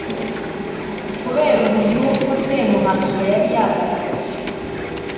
kubera ubuyuku semuhanuka yari yagaragaje